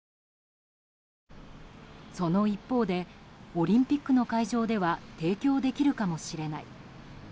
その一方でオリンピックの会場では提供できるかもしれない。